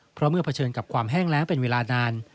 เพราะเมื่อเผชิญกับความแห้งแรงเป็นเวลานาน